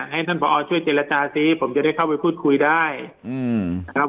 ให้ท่านผอช่วยเจรจาซิผมจะได้เข้าไปพูดคุยได้ครับ